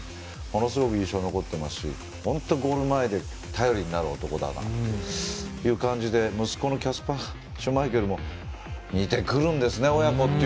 ものすごく印象に残ってますし本当、ゴール前で頼りになる男だなという感じで息子のキャスパー・シュマイケルも似てくるんですね、親子って。